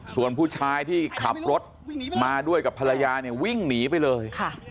ส่วนผู้ชายที่ขับรถมาด้วยกับภรรยาเนี่ยวิ่งหนีไปเลย